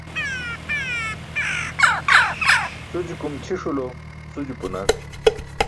Sujukum ćʰisulo suju-punar.